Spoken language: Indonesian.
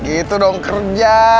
gitu dong kerja